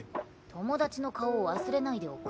友達の顔を忘れないでおくれ。